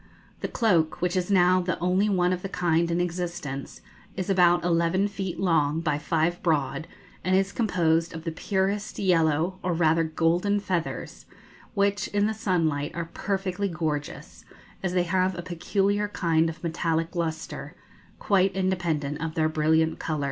The cloak, which is now the only one of the kind in existence, is about eleven feet long by five broad, and is composed of the purest yellow, or rather golden, feathers, which, in the sunlight, are perfectly gorgeous, as they have a peculiar kind of metallic lustre, quite independent of their brilliant colour.